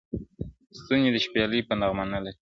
ستونی د شپېلۍ به نغمه نه لري -